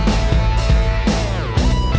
masih lu nunggu